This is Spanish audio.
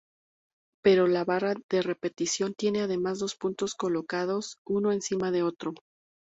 Pero la barra de repetición tiene además dos puntos colocados uno encima de otro.